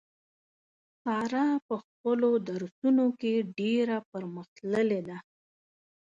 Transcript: ساره په خپلو درسو نو کې ډېره پر مخ تللې ده.